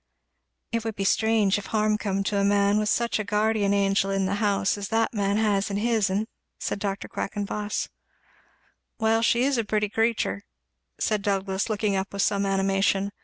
"It would be strange if harm come to a man with such a guardian angel in the house as that man has in his'n," said Dr. Quackenboss. "Well she's a pretty creetur'!" said Douglass, looking up with some animation.